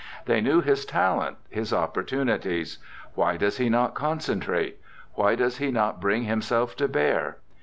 They knew his talent, his opportunities. Why does he not concentrate? Why does he not bring himself to bear?